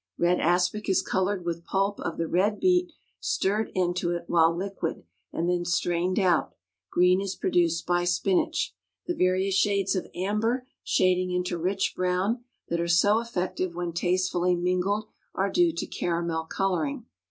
Red aspic is colored with pulp of the red beet stirred into it while liquid and then strained out; green is produced by spinach. The various shades of amber, shading into rich brown, that are so effective when tastefully mingled, are due to caramel coloring.